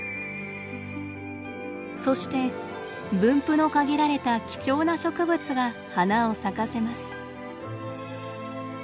そして分布の限られた貴重な植物が花を咲かせます。